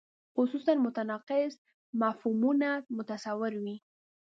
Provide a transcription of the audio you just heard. خصوصاً متناقض مفهومونه متصور وي.